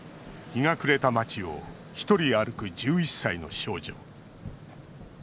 日が暮れた街を一人歩く１１歳の少女。